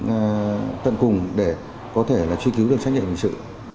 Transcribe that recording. và tận cùng để có thể là truy cứu được trách nhiệm hình sự